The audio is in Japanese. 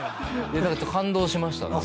感動しました。